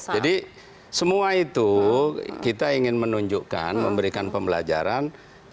jadi semua itu kita ingin menunjukkan memberikan pembelajaran